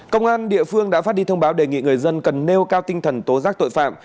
công an địa phương đã phát đi thông báo đề nghị người dân cần nêu cao tinh thần tố giác tội phạm